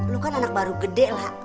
lu kan anak baru gede lah